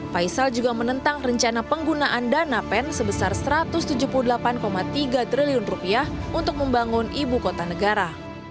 faisal juga menentang rencana penggunaan dana pen sebesar rp satu ratus tujuh puluh delapan tiga triliun untuk membangun ibu kota negara